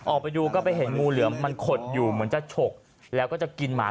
ออกไปดูก็ไปเห็นงูเหลือมมันขดอยู่เหมือนจะฉกแล้วก็จะกินหมา